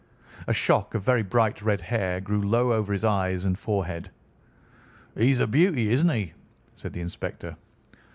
A shock of very bright red hair grew low over his eyes and forehead. "He's a beauty, isn't he?" said the inspector.